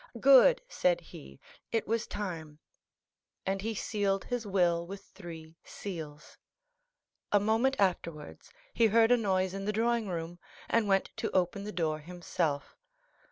"Good," said he; "it was time,"—and he sealed his will with three seals. A moment afterwards he heard a noise in the drawing room, and went to open the door himself.